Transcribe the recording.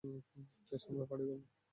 বেশ, আমরা পার্টি করবো।